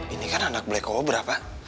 ini kan anak black cobra pak